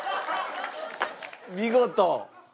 見事。